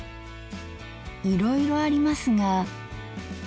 いろいろありますが。